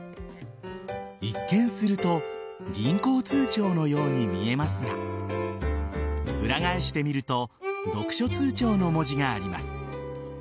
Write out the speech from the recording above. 一見すると銀行通帳のように見えますが裏返してみると読書通帳の文字があります。